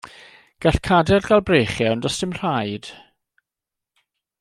Gall cadair gael breichiau, ond does dim rhaid.